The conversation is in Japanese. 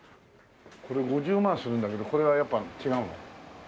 これ５０万するんだけどこれはやっぱ違うの？